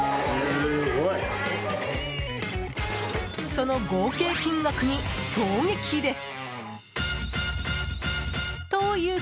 その合計金額に衝撃です。